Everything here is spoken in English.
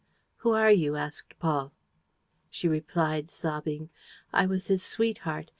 "Who are you?" asked Paul. She replied, sobbing: "I was his sweetheart